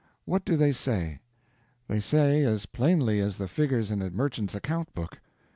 What do they say? They speak as plainly as the figures in a merchant's account book.